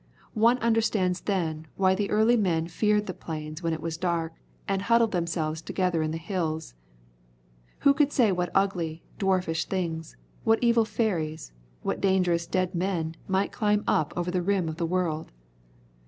One understands then why the early men feared the plains when it was dark, and huddled themselves together in the hills. Who could say what ugly, dwarfish things, what evil fairies, what dangerous dead men might climb up over the rim of the world?